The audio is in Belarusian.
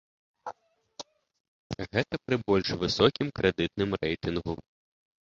Гэта пры больш высокім крэдытным рэйтынгу!